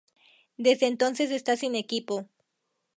Desde entonces está sin equipo.